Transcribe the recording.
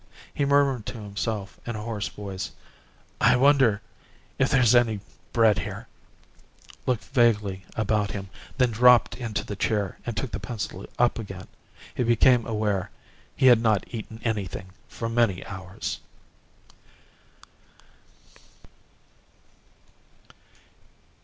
He murmured to himself in a hoarse voice, "I wonder if there's any bread here," looked vaguely about him, then dropped into the chair and took the pencil up again. He became aware he had not eaten anything for many hours.